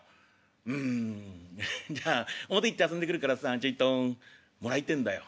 「うんじゃあ表行って遊んでくるからさちょいともらいてえんだよ」。